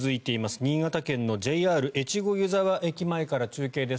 新潟県のＪＲ越後湯沢駅前から中継です。